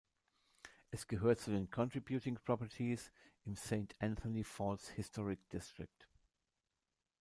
Es gehört zu den Contributing Properties im Saint Anthony Falls Historic District.